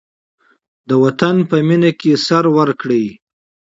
د وطن په مینه کې سر ورکړئ.